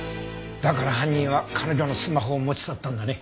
だから犯人は彼女のスマホを持ち去ったんだね。